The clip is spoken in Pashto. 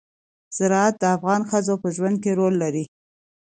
زراعت د افغان ښځو په ژوند کې رول لري.